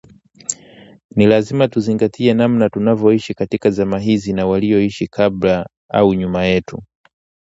ni lazima tuzingatie namna tunavyoishi katika zama hizi na walioishi kabla au nyuma yetu